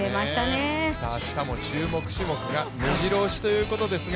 明日も注目種目がめじろ押しということですが。